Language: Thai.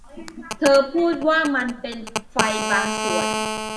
เธอพูดว่ามันเป็นไฟบางส่วน